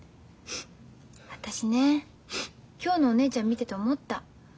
私ね今日のお姉ちゃん見てて思った。